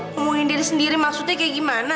ngomongin diri sendiri maksudnya kayak gimana